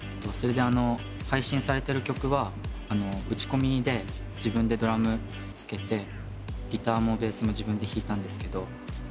それで配信されてる曲は打ち込みで自分でドラムつけてギターもベースも自分で弾いたんですけど。